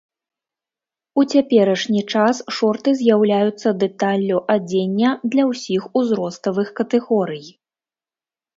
У цяперашні час шорты з'яўляюцца дэталлю адзення для ўсіх узроставых катэгорый.